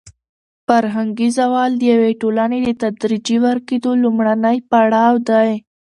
فرهنګي زوال د یوې ټولنې د تدریجي ورکېدو لومړنی پړاو دی.